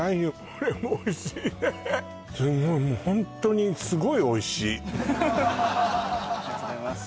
これおいしいねすごいもうホントにすごいおいしいありがとうございます